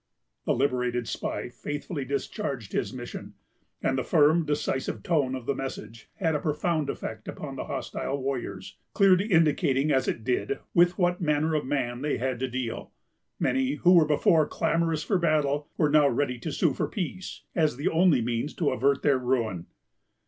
The liberated spy faithfully discharged his mission; and the firm, decisive tone of the message had a profound effect upon the hostile warriors; clearly indicating, as it did, with what manner of man they had to deal. Many, who were before clamorous for battle, were now ready to sue for peace, as the only means to avert their ruin.